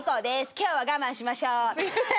今日は我慢しましょう！」。